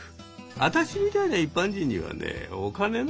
私みたいな一般人にはねお金の。